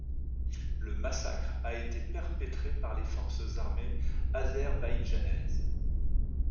Le massacre a été perpétré par les forces armées azerbaïdjanaises.